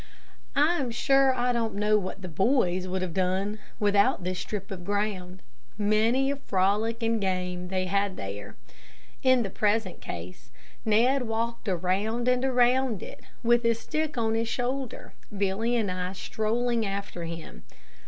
I am sure I don't know what the boys would have done without this strip of ground. Many a frolic and game they had there. In the present case, Ned walked around and around it, with his stick on his shoulder, Billy and I strolling after him.